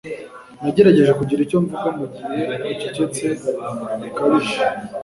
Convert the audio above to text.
Nagerageje kugira icyo mvuga mugihe wacecetse bikabije.